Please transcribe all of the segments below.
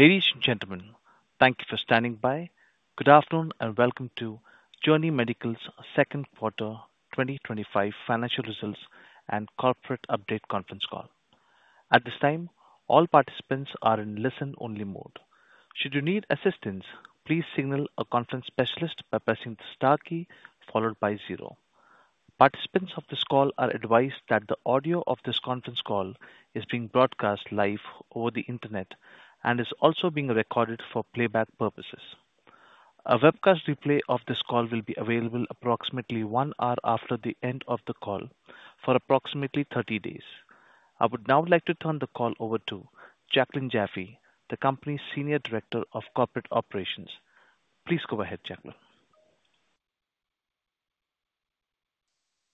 Ladies and gentlemen, thank you for standing by. Good afternoon and welcome to Journey Medical Corporation's Second Quarter 2025 Financial Results and Corporate Update Conference Call. At this time, all participants are in listen-only mode. Should you need assistance, please signal a conference specialist by pressing the Star key followed by zero. Participants of this call are advised that the audio of this conference call is being broadcast live over the internet and is also being recorded for playback purposes. A webcast replay of this call will be available approximately one hour after the end of the call for approximately 30 days. I would now like to turn the call over to Jaclyn Jaffe, the company's Senior Director of Corporate Operations. Please go ahead, Jaclyn.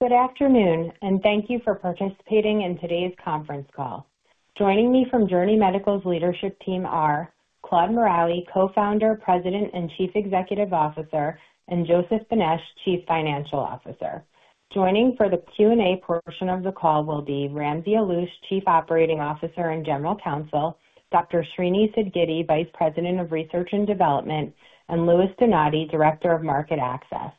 Good afternoon and thank you for participating in today's conference call. Joining me from Journey Medical Corporation's leadership team are Claude Maraoui, Co-Founder, President and Chief Executive Officer, and Joseph Benesch, Chief Financial Officer. Joining for the Q&A portion of the call will be Ramsey Alloush, Chief Operating Officer and General Counsel, Dr. Srinivas Sidgiddi, Vice President of Research and Development, and Louis Donati, Director of Market Access.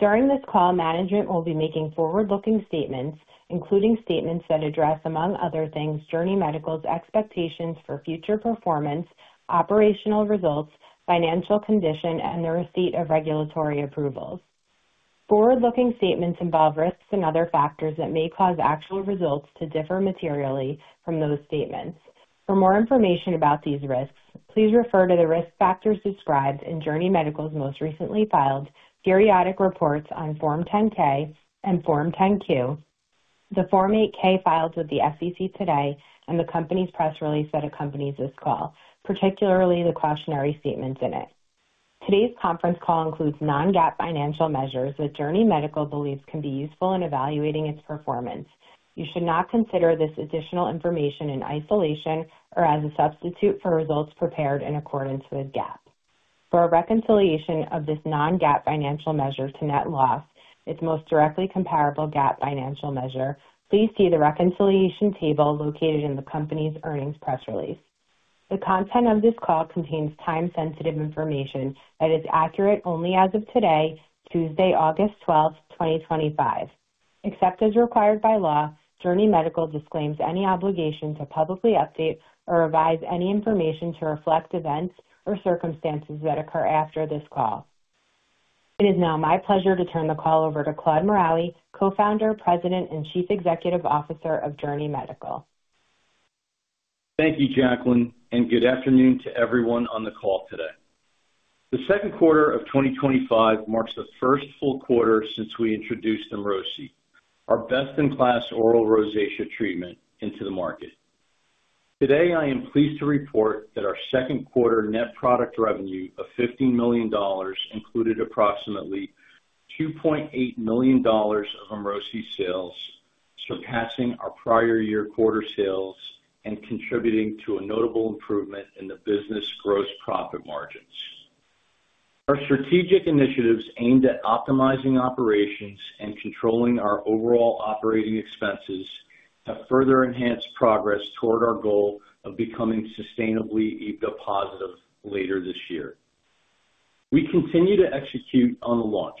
During this call, management will be making forward-looking statements, including statements that address, among other things, Journey Medical's expectations for future performance, operational results, financial condition, and the receipt of regulatory approvals. Forward-looking statements involve risks and other factors that may cause actual results to differ materially from those statements. For more information about these risks, please refer to the risk factors described in Journey Medical's most recently filed periodic reports on Form 10-K and Form 10-Q, the Form 8-K filed with the SEC today, and the company's press release that accompanies this call, particularly the cautionary statements in it. Today's conference call includes non-GAAP financial measures that Journey Medical believes can be useful in evaluating its performance. You should not consider this additional information in isolation or as a substitute for results prepared in accordance with GAAP. For a reconciliation of this non-GAAP financial measure to net loss, its most directly comparable GAAP financial measure, please see the reconciliation table located in the company's earnings press release. The content of this call contains time-sensitive information that is accurate only as of today, Tuesday, August 12th, 2025. Except as required by law, Journey Medical disclaims any obligation to publicly update or revise any information to reflect events or circumstances that occur after this call. It is now my pleasure to turn the call over to Claude Maraoui, Co-Founder, President and Chief Executive Officer of Journey Medical. Thank you, Jaclyn, and good afternoon to everyone on the call today. The second quarter of 2025 marks the first full quarter since we introduced EMROSI, our best-in-class oral rosacea treatment, into the market. Today, I am pleased to report that our second quarter net product revenue of $15 million included approximately $2.8 million of EMROSI sales, surpassing our prior year quarter sales and contributing to a notable improvement in the business gross profit margins. Our strategic initiatives aimed at optimizing operations and controlling our overall operating expenses have further enhanced progress toward our goal of becoming sustainably EBITDA positive later this year. We continue to execute on a launch,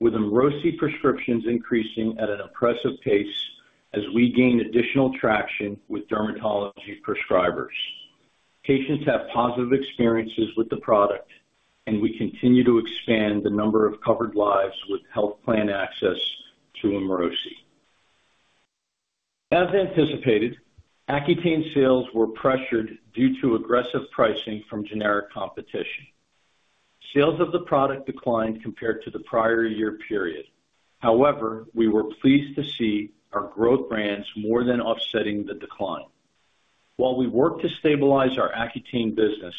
with EMROSI prescriptions increasing at an impressive pace as we gain additional traction with dermatology prescribers. Patients have positive experiences with the product, and we continue to expand the number of covered lives with health plan access to EMROSI. As anticipated, Accutane sales were pressured due to aggressive pricing from generic competition. Sales of the product declined compared to the prior year period. However, we were pleased to see our growth brands more than offsetting the decline. While we work to stabilize our Accutane business,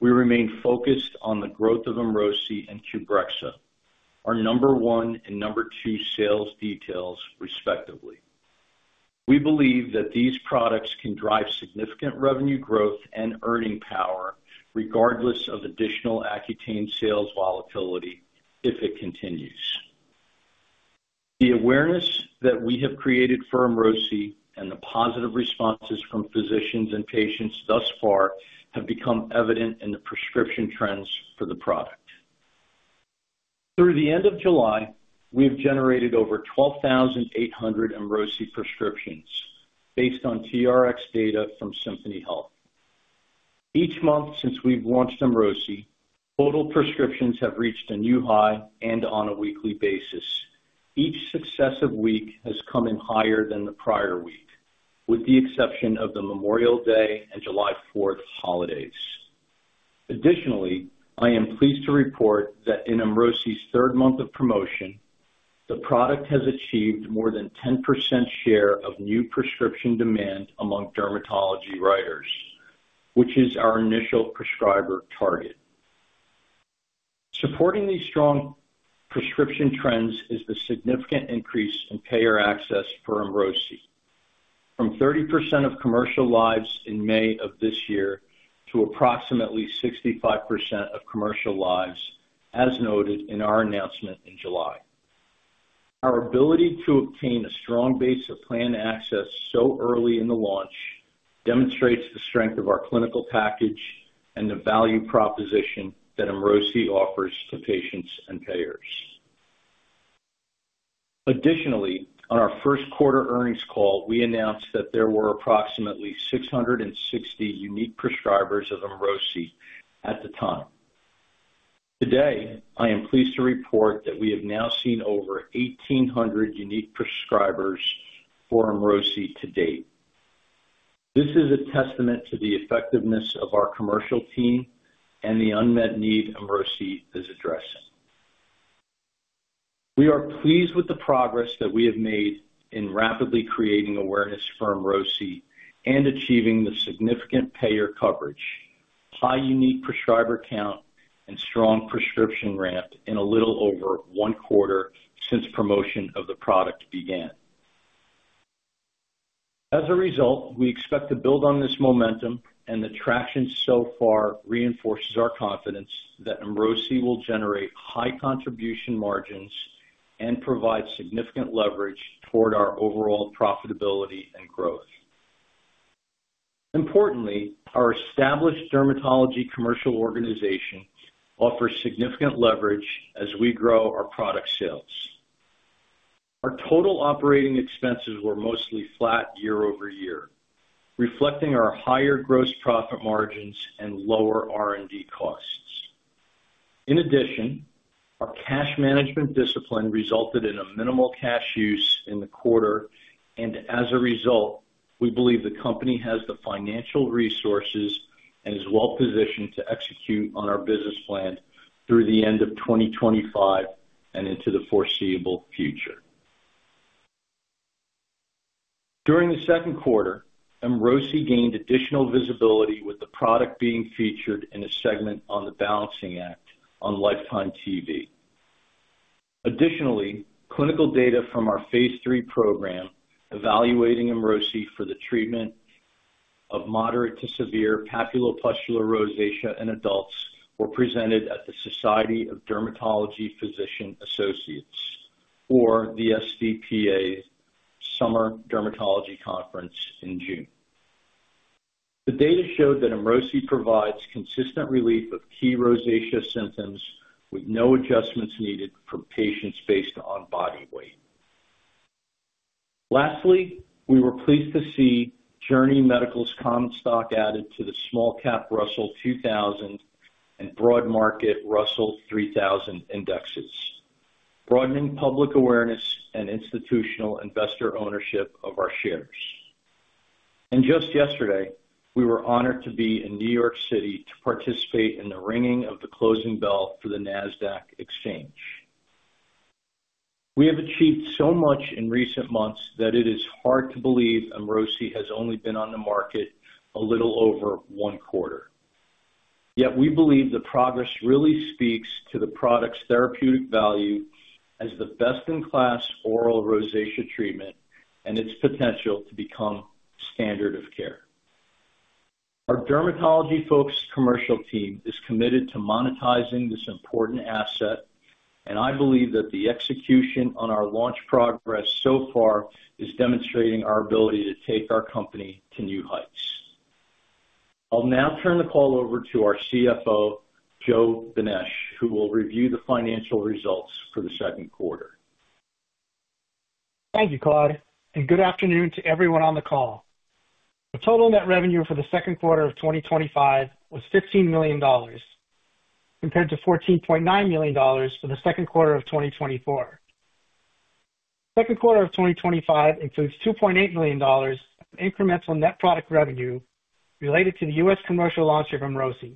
we remain focused on the growth of EMROSI and Qbrexza, our number one and number two sales details, respectively. We believe that these products can drive significant revenue growth and earning power regardless of additional Accutane sales volatility if it continues. The awareness that we have created for EMROSI and the positive responses from physicians and patients thus far have become evident in the prescription trends for the product. Through the end of July, we have generated over 12,800 EMROSI prescriptions based on TRX data from Symphony Health. Each month since we've launched EMROSI, total prescriptions have reached a new high and on a weekly basis. Each successive week has come in higher than the prior week, with the exception of the Memorial Day and July 4th holidays. Additionally, I am pleased to report that in EMROSI's third month of promotion, the product has achieved more than a 10% share of new prescription demand among dermatology writers, which is our initial prescriber target. Supporting these strong prescription trends is the significant increase in payer access for EMROSI, from 30% of commercial lives in May of this year to approximately 65% of commercial lives, as noted in our announcement in July. Our ability to obtain a strong base of planned access so early in the launch demonstrates the strength of our clinical package and the value proposition that EMROSI offers to patients and payers. Additionally, on our first quarter earnings call, we announced that there were approximately 660 unique prescribers of EMROSI at the time. Today, I am pleased to report that we have now seen over 1,800 unique prescribers for EMROSI to date. This is a testament to the effectiveness of our commercial team and the unmet need EMROSI is addressing. We are pleased with the progress that we have made in rapidly creating awareness for EMROSI and achieving the significant payer coverage, high unique prescriber count, and strong prescription ramp in a little over one quarter since promotion of the product began. As a result, we expect to build on this momentum, and the traction so far reinforces our confidence that EMROSI will generate high contribution margins and provide significant leverage toward our overall profitability and growth. Importantly, our established dermatology commercial organization offers significant leverage as we grow our product sales. Our total operating expenses were mostly flat year-over-year, reflecting our higher gross profit margins and lower R&D costs. In addition, our cash management discipline resulted in a minimal cash use in the quarter, and as a result, we believe the company has the financial resources and is well positioned to execute on our business plan through the end of 2025 and into the foreseeable future. During the second quarter, EMROSI gained additional visibility with the product being featured in a segment on The Balancing Act on Lifetime TV. Additionally, clinical data from our phase III program evaluating EMROSI for the treatment of moderate to severe papulopustular rosacea in adults were presented at the Society of Dermatology Physician Associates for the SDPA Summer Dermatology Conference in June. The data showed that EMROSI provides consistent relief of key rosacea symptoms with no adjustments needed from patients based on body weight. Lastly, we were pleased to see Journey Medical's common stock added to the small-cap Russell 2000 and broad market Russell 3000 indexes, broadening public awareness and institutional investor ownership of our shares. Just yesterday, we were honored to be in New York City to participate in the ringing of the closing bell for the NASDAQ exchange. We have achieved so much in recent months that it is hard to believe EMROSI has only been on the market a little over one quarter. Yet we believe the progress really speaks to the product's therapeutic value as the best-in-class oral rosacea treatment and its potential to become standard of care. Our dermatology-focused commercial team is committed to monetizing this important asset, and I believe that the execution on our launch progress so far is demonstrating our ability to take our company to new heights. I'll now turn the call over to our CFO, Joe Benesch, who will review the financial results for the second quarter. Thank you, Claude, and good afternoon to everyone on the call. The total net revenue for the second quarter of 2025 was $15 million, compared to $14.9 million for the second quarter of 2024. The second quarter of 2025 includes $2.8 million in incremental net product revenue related to the U.S., commercial launch of EMROSI.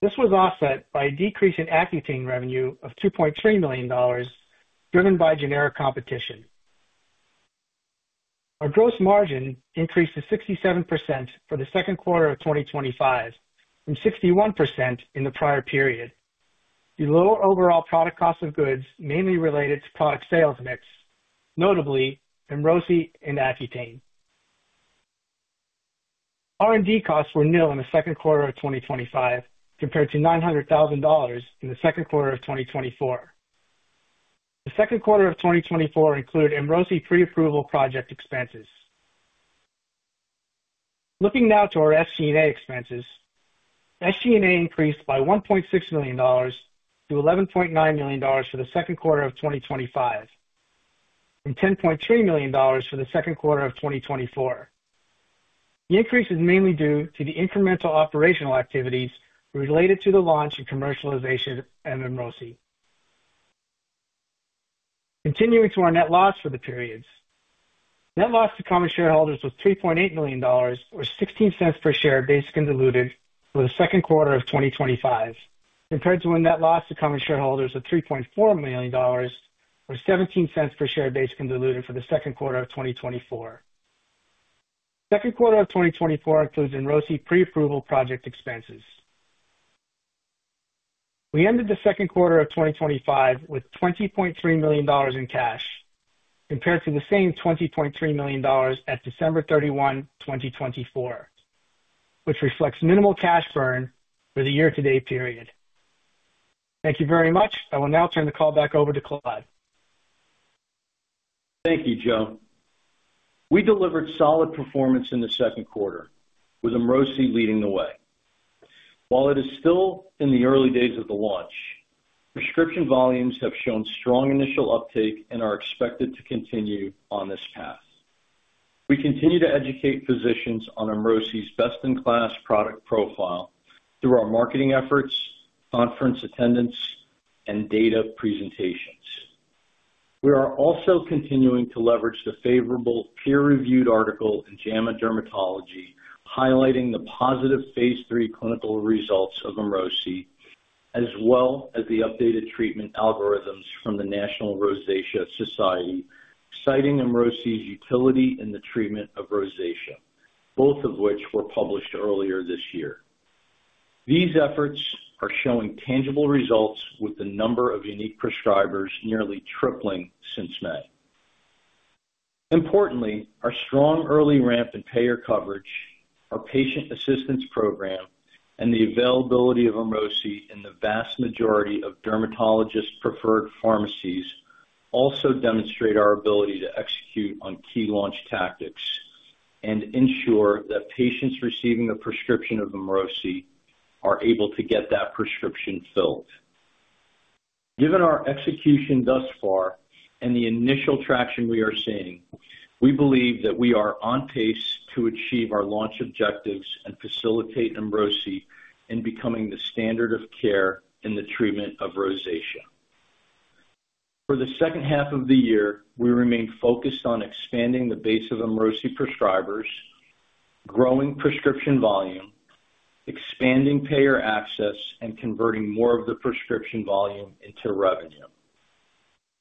This was offset by a decrease in Accutane revenue of $2.3 million, driven by generic competition. Our gross margin increased to 67% for the second quarter of 2025 and 61% in the prior period, below overall product cost of goods, mainly related to product sales mix, notably EMROSI and Accutane. R&D costs were nil in the second quarter of 2025, compared to $0.9 million in the second quarter of 2024. The second quarter of 2024 included EMROSI pre-approval project expenses. Looking now to our FC&A expenses, the FC&A increased by $1.6 million to $11.9 million for the second quarter of 2025 and $10.3 million for the second quarter of 2024. The increase is mainly due to the incremental operational activities related to the launch and commercialization of EMROSI. Continuing to our net loss for the periods, net loss to common shareholders was $3.8 million, or $0.16 per share basic and diluted for the second quarter of 2025, compared to a net loss to common shareholders of $3.4 million, or $0.17 per share basic and diluted for the second quarter of 2024. The second quarter of 2024 includes EMROSI pre-approval project expenses. We ended the second quarter of 2025 with $20.3 million in cash, compared to the same $20.3 million at December 31, 2024, which reflects minimal cash burn for the year-to-date period. Thank you very much. I will now turn the call back over to Claude. Thank you, Joe. We delivered solid performance in the second quarter, with EMROSI leading the way. While it is still in the early days of the launch, prescription volumes have shown strong initial uptake and are expected to continue on this path. We continue to educate physicians on EMROSI's best-in-class product profile through our marketing efforts, conference attendance, and data presentations. We are also continuing to leverage the favorable peer-reviewed article in JAMA Dermatology, highlighting the positive phase III clinical results of EMROSI, as well as the updated treatment algorithms from the National Rosacea Society, citing EMROSI's utility in the treatment of rosacea, both of which were published earlier this year. These efforts are showing tangible results, with the number of unique prescribers nearly tripling since May. Importantly, our strong early ramp in payer coverage, our patient assistance program, and the availability of EMROSI in the vast majority of dermatologists' preferred pharmacies also demonstrate our ability to execute on key launch tactics and ensure that patients receiving a prescription of EMROSI are able to get that prescription filled. Given our execution thus far and the initial traction we are seeing, we believe that we are on pace to achieve our launch objectives and facilitate EMROSI in becoming the standard of care in the treatment of rosacea. For the second half of the year, we remain focused on expanding the base of EMROSI prescribers, growing prescription volume, expanding payer access, and converting more of the prescription volume into revenue.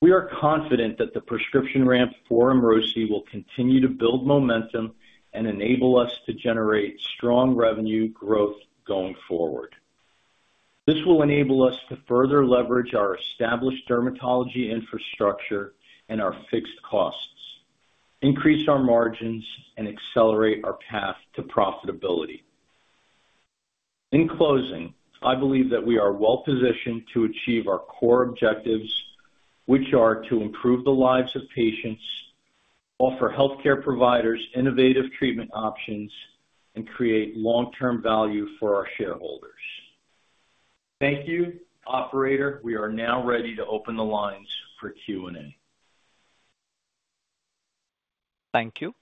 We are confident that the prescription ramp for EMROSI will continue to build momentum and enable us to generate strong revenue growth going forward. This will enable us to further leverage our established dermatology infrastructure and our fixed costs, increase our margins, and accelerate our path to profitability. In closing, I believe that we are well positioned to achieve our core objectives, which are to improve the lives of patients, offer healthcare providers innovative treatment options, and create long-term value for our shareholders. Thank you, operator. We are now ready to open the lines for Q&A. Thank you.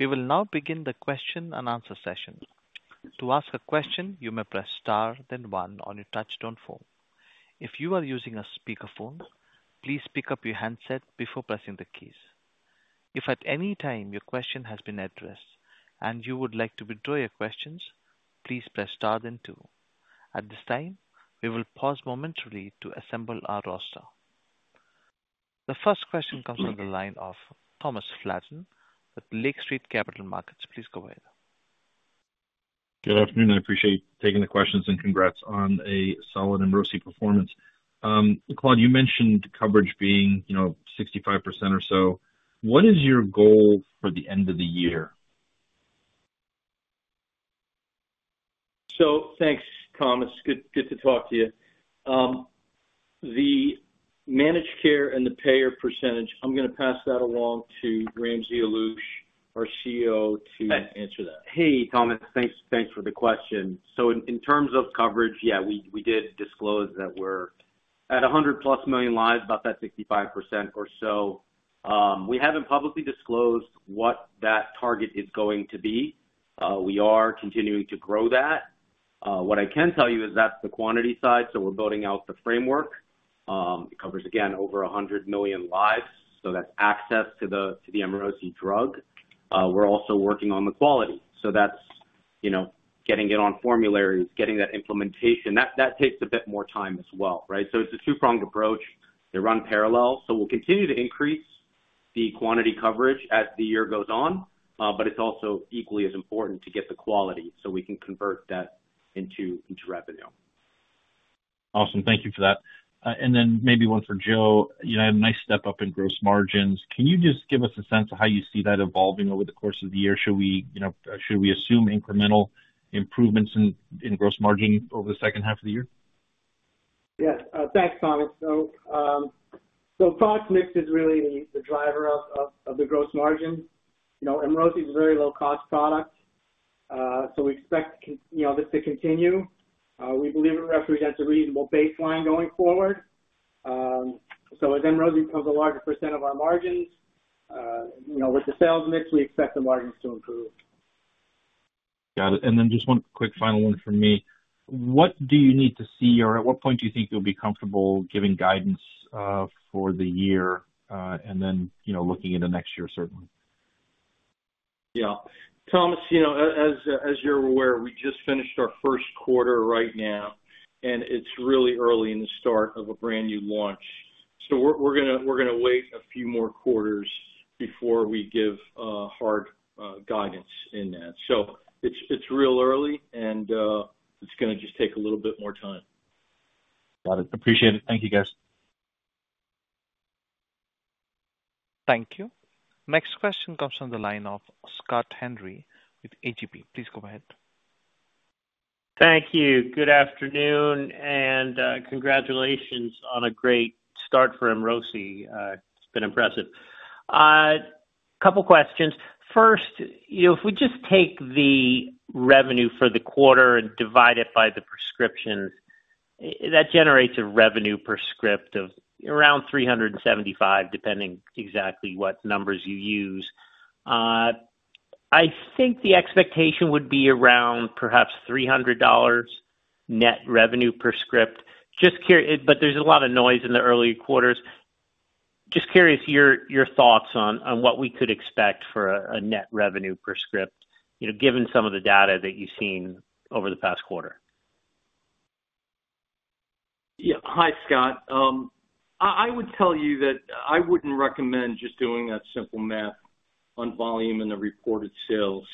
We will now begin the question-and-answer session. To ask a question, you may press Star then one on your touch-tone phone. If you are using a speakerphone, please pick up your handset before pressing the keys. If at any time your question has been addressed and you would like to withdraw your question, please Sress star then two. At this time, we will pause momentarily to assemble our roster. The first question comes from the line of Thomas Flaten with Lake Street Capital Markets. Please go ahead. Good afternoon. I appreciate taking the questions and congrats on a solid EMROSI performance. Claude, you mentioned coverage being, you know, 65% or so. What is your goal for the end of the year? Thank you, Thomas. Good to talk to you. The managed care and the payer percentage, I'm going to pass that along to Ramsey Alloush, our COO, to answer that. Hey, Thomas. Thanks for the question. In terms of coverage, yeah, we did disclose that we're at 100+ million lives, about that 65% or so. We haven't publicly disclosed what that target is going to be. We are continuing to grow that. What I can tell you is that's the quantity side. We're building out the framework. It covers, again, over 100 million lives. That's access to the EMROSI drug. We're also working on the quality. That's, you know, getting it on formulary, getting that implementation. That takes a bit more time as well, right? It's a two-pronged approach. They run parallel. We'll continue to increase the quantity coverage as the year goes on. It's also equally as important to get the quality so we can convert that into revenue. Awesome. Thank you for that. Maybe one for Joe. You had a nice step up in gross margins. Can you just give us a sense of how you see that evolving over the course of the year? Should we assume incremental improvements in gross margin over the second half of the year? Yes, thanks, Thomas. The product mix is really the driver of the gross margin. EMROSI is a very low-cost product. We expect it to continue. We believe it represents a reasonable baseline going forward. As EMROSI becomes a larger percentage of our margins with the sales mix, we expect the margins to improve. Got it. One quick final one from me. What do you need to see, or at what point do you think you'll be comfortable giving guidance for the year, and then, you know, looking into next year, certainly? Yeah. Thomas, as you're aware, we just finished our first quarter right now, and it's really early in the start of a brand new launch. We're going to wait a few more quarters before we give hard guidance in that. It's real early, and it's going to just take a little bit more time. Got it. Appreciate it. Thank you, guys. Thank you. Next question comes from the line of Scott Henry with AGP. Please go ahead. Thank you. Good afternoon and congratulations on a great start for EMROSI. It's been impressive. A couple of questions. First, you know, if we just take the revenue for the quarter and divide it by the prescriptions, that generates a revenue per script of around $375, depending exactly what numbers you use. I think the expectation would be around perhaps $300 net revenue per script. Just curious, but there's a lot of noise in the early quarters. Just curious your thoughts on what we could expect for a net revenue per script, you know, given some of the data that you've seen over the past quarter? Yeah. Hi, Scott. I would tell you that I wouldn't recommend just doing that simple math on volume and the reported sales.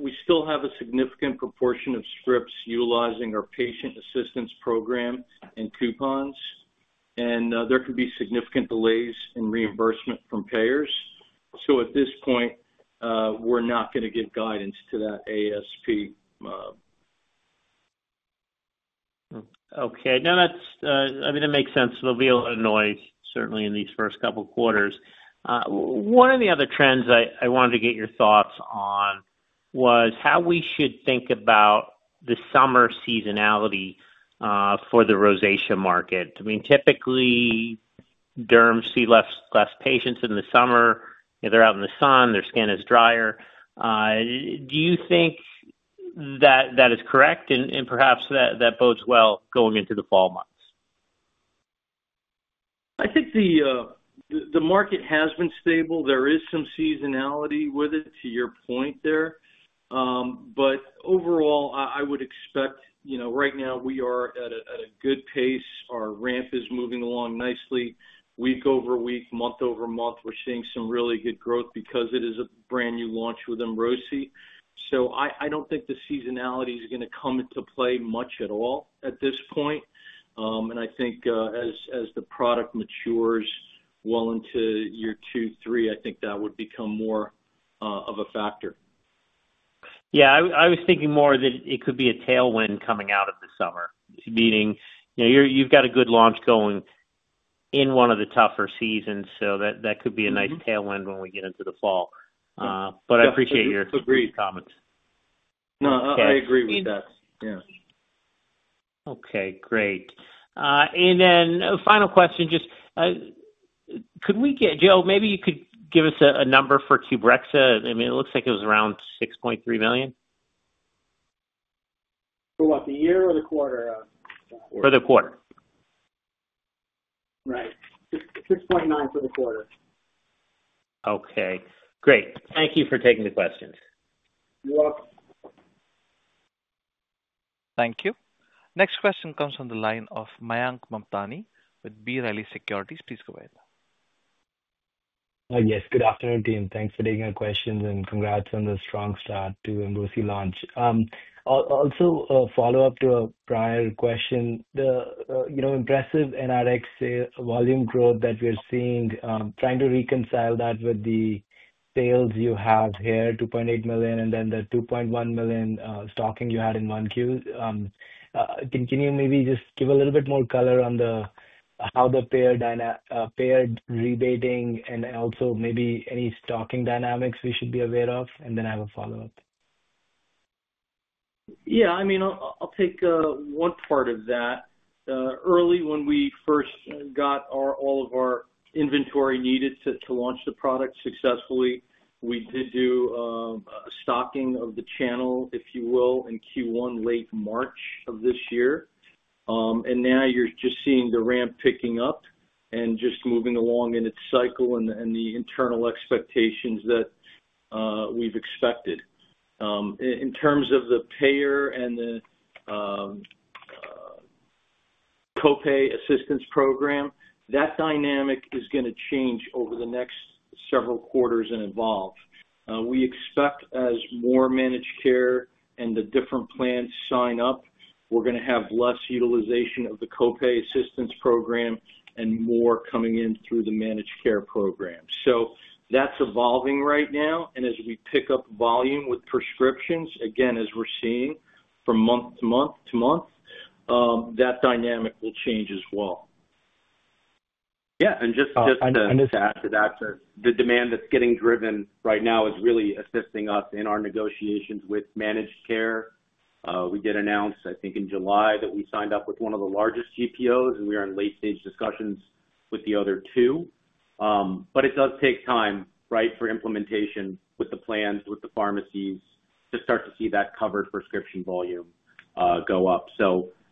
We still have a significant proportion of scripts utilizing our patient assistance program and coupons, and there could be significant delays in reimbursement from payers. At this point, we're not going to give guidance to that ASP. Okay. Now that's, I mean, it makes sense. There'll be a lot of noise, certainly, in these first couple of quarters. One of the other trends I wanted to get your thoughts on was how we should think about the summer seasonality for the rosacea market. I mean, typically, derm see less patients in the summer. You know, they're out in the sun, their skin is drier. Do you think that that is correct and perhaps that bodes well going into the fall months? I think the market has been stable. There is some seasonality with it, to your point there. Overall, I would expect, you know, right now we are at a good pace. Our ramp is moving along nicely. Week over week, month over month, we're seeing some really good growth because it is a brand new launch with EMROSI. I don't think the seasonality is going to come into play much at all at this point. I think as the product matures well into year two, three, I think that would become more of a factor. Yeah, I was thinking more that it could be a tailwind coming out of the summer, meaning, you know, you've got a good launch going in one of the tougher seasons. That could be a nice tailwind when we get into the fall. I appreciate your comments. No, I agree with that. Yeah. Okay, great. A final question, just could we get, Joe, maybe you could give us a number for Qbrexza. I mean, it looks like it was around $6.3 million? For what, the year or the quarter? For the quarter. Right. $6.9 million for the quarter. Okay, great. Thank you for taking the questions. You're welcome. Thank you. Next question comes from the line of Mayank Mamdani with B. Riley Securities. Please go ahead. Yes, good afternoon, team. Thanks for taking the questions and congrats on the strong start to EMROSI launch. I'll also follow up to a prior question. The impressive NRX volume growth that we're seeing, trying to reconcile that with the sales you have here, $2.8 million, and then the $2.1 million stocking you had in Q1. Can you maybe just give a little bit more color on how the payer rebating and also maybe any stocking dynamics we should be aware of? I have a follow-up. Yeah, I mean, I'll take one part of that. Early when we first got all of our inventory needed to launch the product successfully, we did do a stocking of the channel, if you will, in Q1, late March of this year. Now you're just seeing the ramp picking up and just moving along in its cycle and the internal expectations that we've expected. In terms of the payer and the copay assistance program, that dynamic is going to change over the next several quarters and evolve. We expect as more managed care and the different plans sign up, we're going to have less utilization of the copay assistance program and more coming in through the managed care program. That is evolving right now. As we pick up volume with prescriptions, again, as we're seeing from month to month to month, that dynamic will change as well. Yeah, and just to add to that, the demand that's getting driven right now is really assisting us in our negotiations with managed care. We did announce, I think, in July that we signed up with one of the largest GPOs, and we are in late-stage discussions with the other two. It does take time, right, for implementation with the plans, with the pharmacies to start to see that covered prescription volume go up.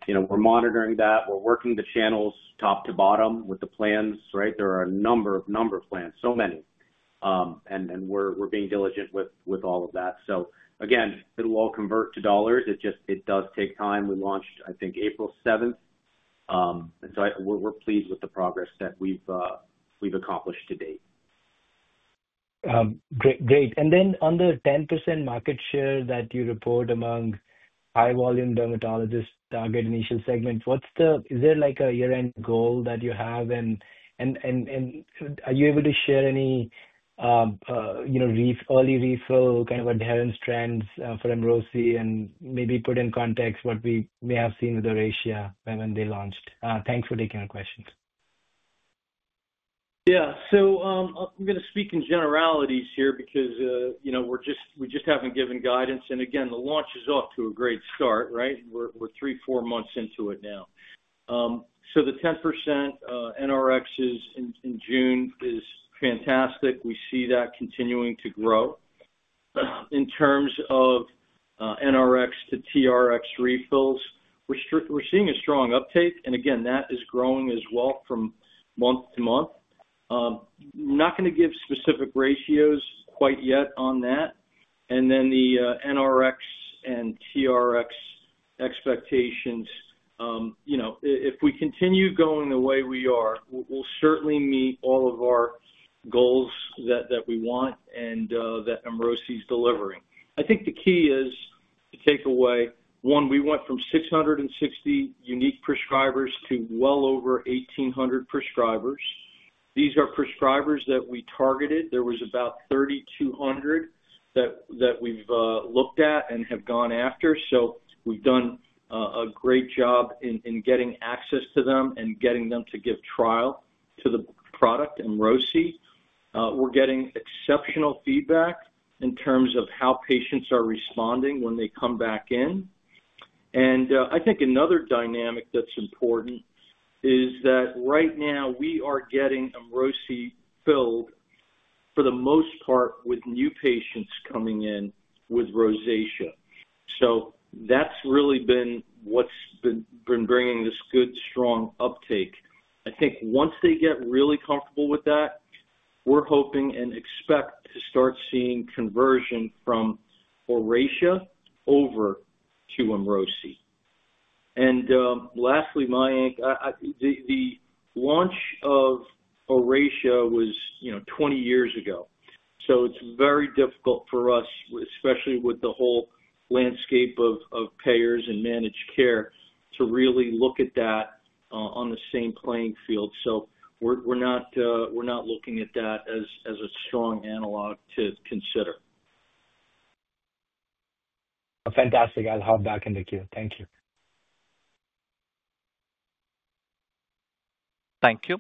We're monitoring that. We're working the channels top to bottom with the plans, right? There are a number of plans, so many. We're being diligent with all of that. Again, it'll all convert to dollars. It just, it does take time. We launched, I think, April 7th, and we're pleased with the progress that we've accomplished to date. Great. On the 10% market share that you report among high-volume dermatologists' target initial segments, is there a year-end goal that you have? Are you able to share any early refill kind of adherence trends for EMROSI and maybe put in context what we may have seen with the ratio when they launched? Thanks for taking our questions. Yeah, so I'm going to speak in generalities here because, you know, we just haven't given guidance. The launch is off to a great start, right? We're three, four months into it now. The 10% NRXs in June is fantastic. We see that continuing to grow. In terms of NRX to TRX refills, we're seeing a strong uptake. That is growing as well from month to month. I'm not going to give specific ratios quite yet on that. The NRX and TRX expectations, you know, if we continue going the way we are, we'll certainly meet all of our goals that we want and that EMROSI is delivering. I think the key is to take away, one, we went from 660 unique prescribers to well over 1,800 prescribers. These are prescribers that we targeted. There was about 3,200 that we've looked at and have gone after. We've done a great job in getting access to them and getting them to give trial to the product, EMROSI. We're getting exceptional feedback in terms of how patients are responding when they come back in. I think another dynamic that's important is that right now we are getting EMROSI filled for the most part with new patients coming in with rosacea. That's really been what's been bringing this good, strong uptake. I think once they get really comfortable with that, we're hoping and expect to start seeing conversion from Oracea over to EMROSI. Lastly, Mayank, the launch of Oracea was, you know, 20 years ago. It's very difficult for us, especially with the whole landscape of payers and managed care, to really look at that on the same playing field. We're not looking at that as a strong analog to consider. Fantastic. I'll hold back in the queue. Thank you. Thank you.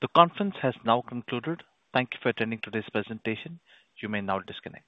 The conference has now concluded. Thank you for attending today's presentation. You may now disconnect.